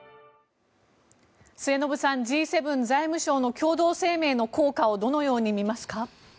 末延さんＧ７財務相の共同声明の効果をどのように見ますか？